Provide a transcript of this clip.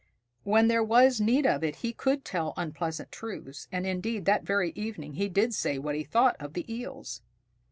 When there was need of it, he could tell unpleasant truths, and indeed that very evening he did say what he thought of the Eels.